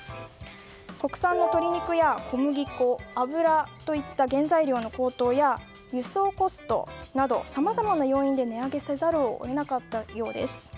国産の鶏肉や小麦粉、油といった原材料の高騰や輸送コストなどさまざまな要因で値上げせざるを得なかったようです。